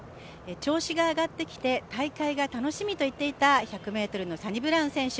調子が上がってきて大会が楽しみと言っていた１００ｍのサニブラウン選手。